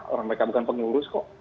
orang mereka bukan pengurus kok